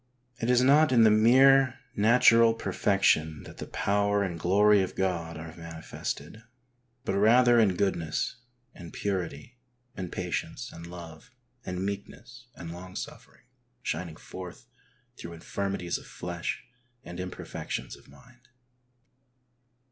It is not in the mere natural perfection that the power and glory of God are manifested, but rather in goodness and purity and patience and love and meekness and long suffering shining forth through infirmities of flesh and imperfections of mind.